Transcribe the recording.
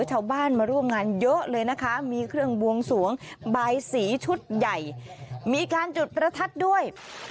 ชาวบ้านมาร่วมงานเยอะเลยนะคะมีเครื่องบวงสวงบายสีชุดใหญ่มีการจุดประทัดด้วย